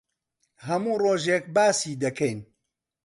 هەموو ڕۆژێک باسی دەکەین.